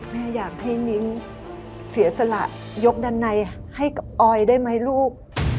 แม่อยากให้นิ้งเสียสละยกดันในให้กับออยได้ไหมลูก